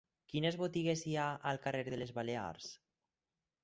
Quines botigues hi ha al carrer de les Balears?